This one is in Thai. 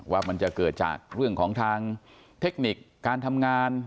ว่ามันจะเกิดจากเรื่องของทางเทคนิคการทำงาน